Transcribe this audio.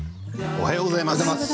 おはようございます。